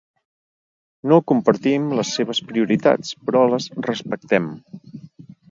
No compartim les seves prioritats, però les respectem.